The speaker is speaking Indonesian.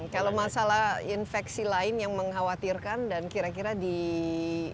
kalau masalah infeksi lain yang mengkhawatirkan dan kira kira di mana mana saja